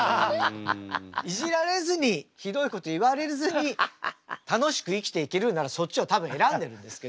イジられずにひどいこと言われずに楽しく生きていけるならそっちを多分選んでるんですけど。